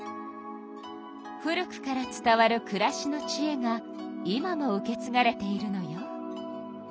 古くから伝わるくらしのちえが今も受けつがれているのよ。